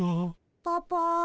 パパ。